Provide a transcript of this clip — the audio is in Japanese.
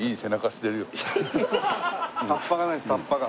タッパがないんですタッパが。